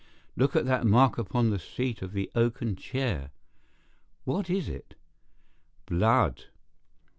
Look at that mark upon the seat of the oaken chair! What is it?" "Blood."